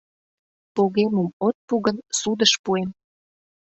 — Погемым от пу гын, судыш пуэм.